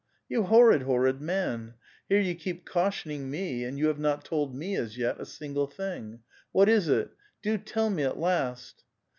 '^ You horrid, horrid man ! here you keep cautioning me, and you have not told me, as yet, a single thing. What is it? 'Do tell me at last!"